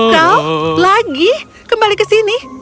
kau lagi kembali ke sini